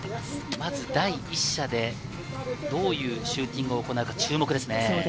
まず第１射でどういうシューティングを行うか注目ですね。